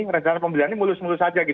rencana pembelian ini mulus mulus saja